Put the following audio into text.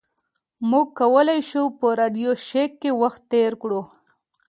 موږ کولی شو په راډیو شیک کې وخت تیر کړو